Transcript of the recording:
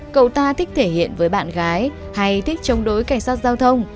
cầu ta thích thể hiện với bạn gái hay thích chống đối cảnh sát giao thông